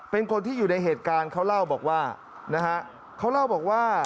เป็นคนที่อยู่ในเหตุการณ์เขาเล่าบอกว่านะฮะ